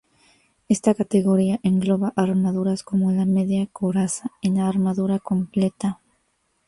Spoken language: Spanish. Esta categoría engloba armaduras como la media coraza y la armadura completa.